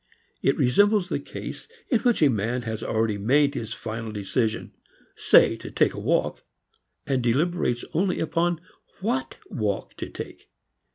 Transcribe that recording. It resembles the case in which a man has already made his final decision, say to take a walk, and deliberates only upon what walk to take.